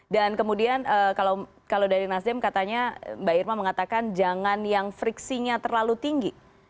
dan kemudian kalau dari nasdem katanya mbak irma mengatakan jangan yang friksinya terlalu tinggi